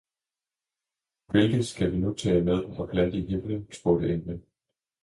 Hvilke skal vi nu tage med og plante i Himmelen? spurgte englen.